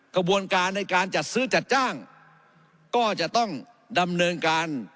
กระบวนการในการจัดซื้อจัดจ้างก็จะต้องดำเนินการ